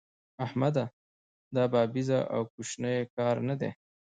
احمده! دا بابېزه او کوشنی کار نه دی.